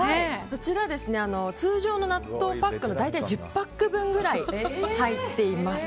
こちら、通常の納豆パックの大体１０パック分ぐらい入ってます。